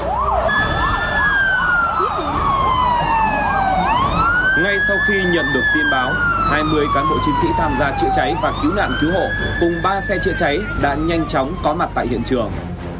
ngay sau khi nhận được tin báo hai mươi cán bộ chiến sĩ tham gia chữa cháy và cứu nạn cứu hộ cùng ba xe chữa cháy đã nhanh chóng có mặt tại hiện trường